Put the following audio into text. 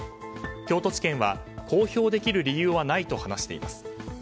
京都地検は公表できる理由はないと話しています。